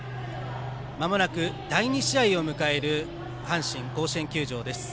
まもなく第２試合を迎える阪神甲子園球場です。